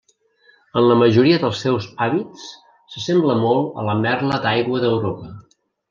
En la majoria dels seus hàbits, s'assembla molt a la merla d'aigua d'Europa.